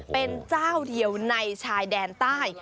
เป็นเจ้าเดียวในชายแดนใต้